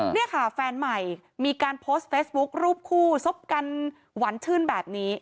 นี่ค่ะแฟนใหม่มีการโพสต์เฟซบุ๊ครูปคู่ซบกันหวานชื่นแบบนี้